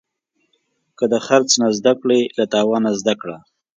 که د خرڅ نه زده کړې، له تاوانه زده کړه.